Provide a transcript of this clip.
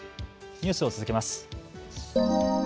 ニュースを続けます。